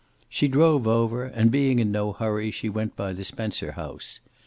She drove over, and being in no hurry she went by the Spencer house.